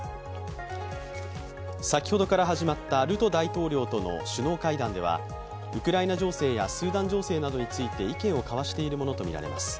先ほどから始まったルト大統領との首脳会談ではウクライナ情勢やスーダン情勢などについて意見を交わしているものとみられます。